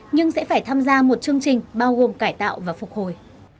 nhưng sẽ phải tham gia một chương trình bao gồm cải tạo và phục hồi